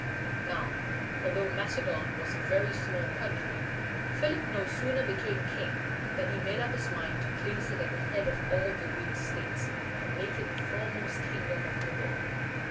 Now, although Macedon was a very small country, Philip no sooner became king than he made up his mind to place it at the head of all the Greek states, and make it the foremost kingdom of the world.